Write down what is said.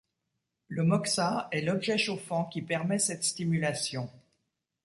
Le moxa est l'objet chauffant qui permet cette stimulation.